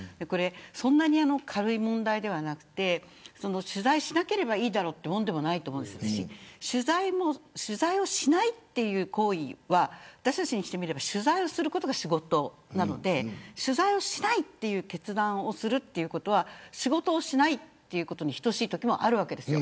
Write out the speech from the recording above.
そんなに軽い問題ではなくて取材しなければいいだろというものでもないと思いますし取材をしないという行為は私たちにしてみれば取材をすることが仕事なので取材をしないという決断をするということは仕事をしないということに等しいときもあるわけです。